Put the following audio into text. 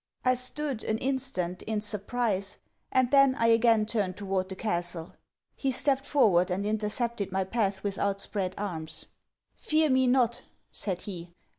I stood, an instant, in surprise; and then, I again turned toward the castle. He stepped forward, and intercepted my path with outspread arms. 'Fear me not,' said he.